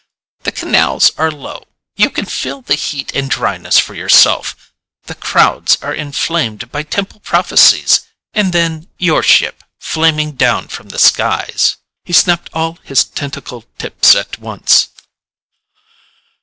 "The canals are low. You can feel the heat and dryness for yourself. The crowds are inflamed by temple prophecies. And then, your ship, flaming down from the skies " He snapped all this tentacle tips at once.